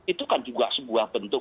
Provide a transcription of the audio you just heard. itu kan juga sebuah bentuk